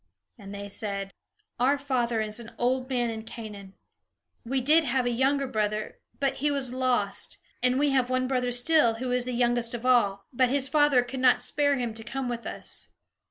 And they said: "Our father is an old man in Canaan. We did have a younger brother, but he was lost; and we have one brother still, who is the youngest of all, but his father could not spare him to come with us."